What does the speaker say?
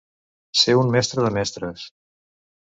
Ser un mestre de mestres.